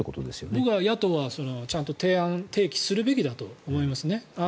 僕は野党はちゃんと提案、提起するべきだと思います。